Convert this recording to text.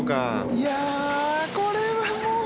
いやこれはもう。